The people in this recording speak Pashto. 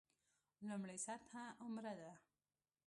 لومړۍ سطح عمره ده.